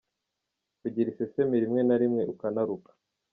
Kugira isesemi rimwe na rimwe ukanaruka.